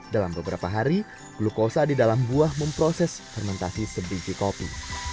dalam beberapa hari glukosa di dalam buah memproses fermentasi sebiji kopi